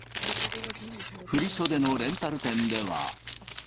振り袖のレンタル店では。